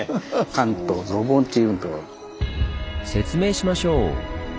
説明しましょう！